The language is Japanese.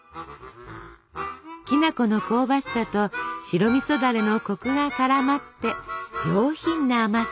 きな粉の香ばしさと白みそだれのコクが絡まって上品な甘さに。